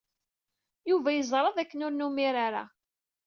Yuba yeẓra dakken ur numir ara.